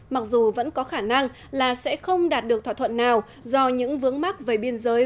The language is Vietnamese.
mặc dù vẫn có khả năng là sẽ không đạt được thỏa thuận nào do những vướng mắc về biên giới